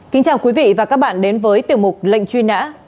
kính chào quý vị và các bạn đến với tiểu mục lệnh truy nã